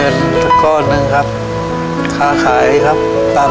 นอนออกกลับบ้าน